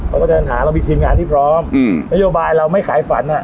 เพราะฉะนั้นหาเรามีทีมงานที่พร้อมนโยบายเราไม่ขายฝันอ่ะ